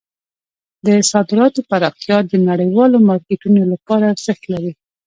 د صادراتو پراختیا د نړیوالو مارکیټونو لپاره ارزښت لري.